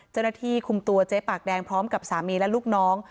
เจ้าหน้าที่คุมตัวเจ๊ปากแดงพร้อมกับสามีและลูกน้อง